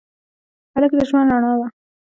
هلک د ژوند رڼا ده.